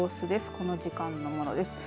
この時間のものです。